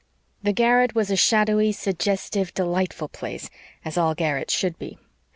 The garret was a shadowy, suggestive, delightful place, as all garrets should be.